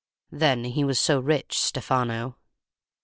Then he was so rich, Stefano.